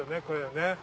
これね。